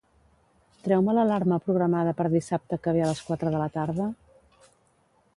Treu-me l'alarma programada per dissabte que ve a les quatre de la tarda?